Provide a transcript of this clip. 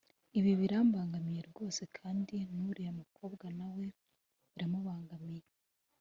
Ibi birambangamiye rwose kandi n’uriya mukobwa na we biramubangamiye